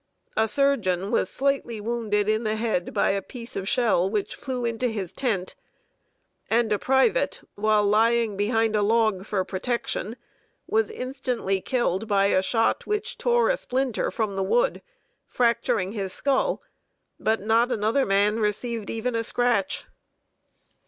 A surgeon was slightly wounded in the head by a piece of shell which flew into his tent; and a private, while lying behind a log for protection, was instantly killed by a shot which tore a splinter from the wood, fracturing his skull; but not another man received even a scratch.